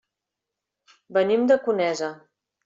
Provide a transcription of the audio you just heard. Venim de Conesa.